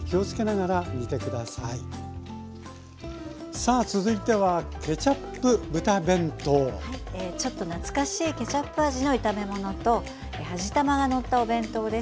さあ続いてはちょっと懐かしいケチャップ味の炒め物と味玉がのったお弁当です。